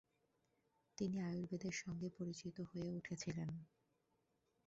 তিনি আয়ুর্বেদের সঙ্গে পরিচিত হয়ে উঠছিলেন।